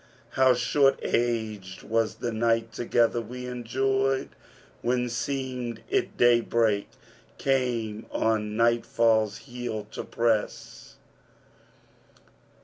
How short aged was the night together we enjoyed, * When seemed it daybreak came on nightfall's heel to press!